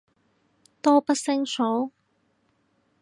多不勝數